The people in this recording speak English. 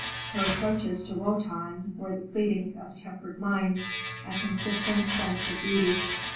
Her reproaches to Wotan were the pleadings of a tempered mind, a consistent sense of beauty.